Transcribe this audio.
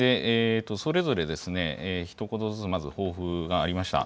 それぞれひと言ずつ、まず抱負がありました。